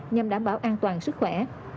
nhằm đảm bảo an toàn sức khỏe